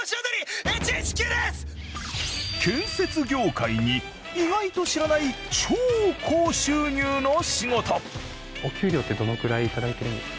建設業界に意外と知らない超高収入の仕事。